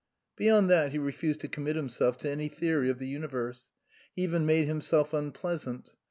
Beyond that he refused to commit himself to any theory of the universe. He even made himself unpleasant.